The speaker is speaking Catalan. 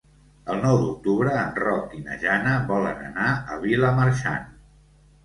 El nou d'octubre en Roc i na Jana volen anar a Vilamarxant.